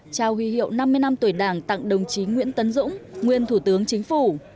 trao huy hiệu năm mươi năm tuổi đảng tặng đồng chí nguyễn tấn dũng nguyên thủ tướng chính phủ